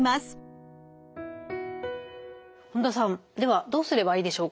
本田さんではどうすればいいでしょうか？